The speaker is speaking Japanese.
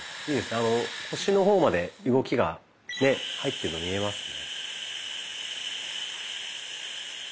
あの腰の方まで動きが入ってるの見えますね。